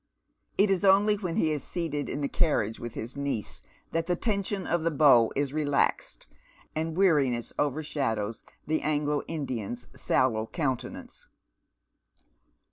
It is only when ho ia stated iu the cai'riage vita Jenny'' 3 Visitor. 143 llifl niece that the tension of the bow is relaxed, and weariness overshadows the Anglo Indian's sallow countenance.